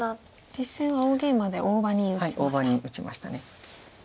実戦は大ゲイマで大場に打ちました。